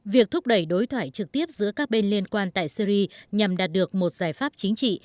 việc thúc đẩy đối thoại trực tiếp giữa các bên liên quan tại syri nhằm đạt được một giải pháp chính trị